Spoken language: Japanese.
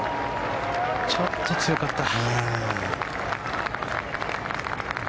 ちょっと強かった。